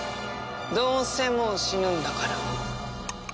どうせもう死ぬんだから。